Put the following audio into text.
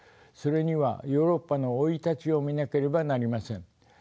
それにはヨーロッパの生い立ちを見なければなりません。